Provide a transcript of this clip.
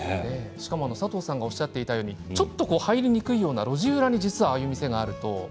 しかも佐藤さんがおっしゃっていたようにちょっと入りづらい路地裏にこういう店があると。